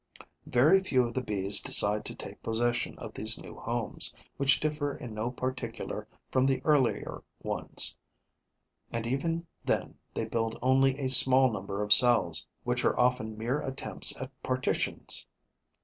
Very few of the Bees decide to take possession of these new homes, which differ in no particular from the earlier ones; and even then they build only a small number of cells, which are often mere attempts at partitions.